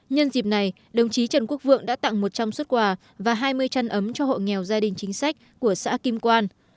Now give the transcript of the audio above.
nhân dịp này đồng chí trần quốc vượng đã tặng một trăm linh xuất quà và hai mươi chăn ấm cho hộ nghèo gia đình chính sách của xã kim quan